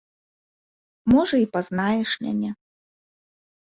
Можа і пазнаеш мяне.